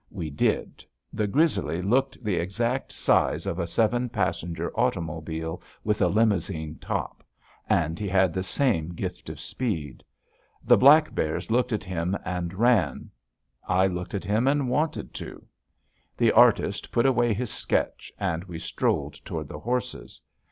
We did. The grizzly looked the exact size of a seven passenger automobile with a limousine top, and he had the same gift of speed. The black bears looked at him and ran. I looked at him and wanted to. The artist put away his sketch, and we strolled toward the horses.